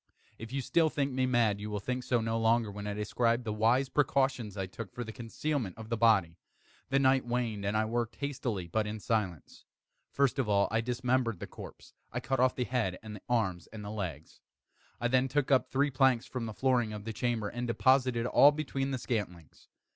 If still you think me mad, you will think so no longer when I describe the wise precautions I took for the concealment of the body. The night waned, and I worked hastily, but in silence. First of all I dismembered the corpse. I cut off the head and the arms and the legs. I then took up three planks from the flooring of the chamber, and deposited all between the scantlings.